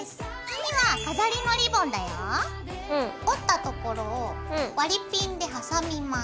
折ったところを割りピンで挟みます。